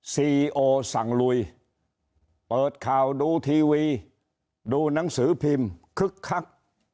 ซีโอสั่งลุยเปิดข่าวดูทีวีดูหนังสือพิมพ์คึกคัก